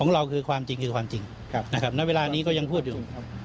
ของเราคือความจริงคือความจริงนะครับณเวลานี้ก็ยังพูดอยู่